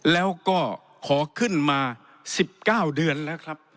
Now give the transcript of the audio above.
แล้วก็ขอขึ้นมา๑๙เดือนแล้วครับ